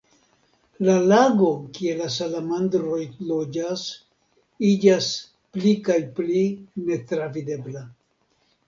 La lago kie la salamandroj loĝas iĝas pli kaj pli netravidebla.